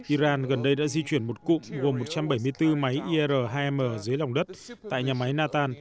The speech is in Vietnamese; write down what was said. iran gần đây đã di chuyển một cụm gồm một trăm bảy mươi bốn máy ir hai m dưới lòng đất tại nhà máy natan